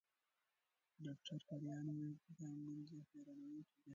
ډاکټر کرایان وویل چې دا موندنې حیرانوونکې دي.